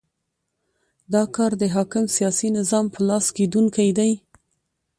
دا کار د حاکم سیاسي نظام په لاس کېدونی دی.